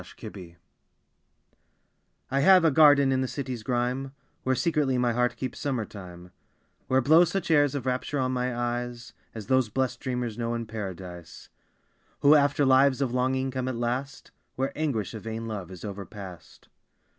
My Garden I have a garden in the city's grime Where secretly my heart keeps summer time; Where blow such airs of rapture on my eyes As those blest dreamers know in Paradise, Who after lives of longing come at last Where anguish of vain love is overpast.